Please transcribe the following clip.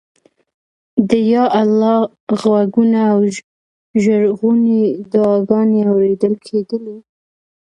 د یا الله غږونه او ژړغونې دعاګانې اورېدل کېدلې.